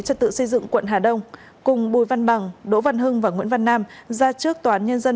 trật tự xây dựng quận hà đông cùng bùi văn bằng đỗ văn hưng và nguyễn văn nam ra trước tòa án nhân dân